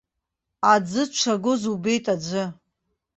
Аӡы дшагоз убеит аӡәы.